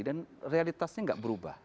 dan realitasnya tidak berubah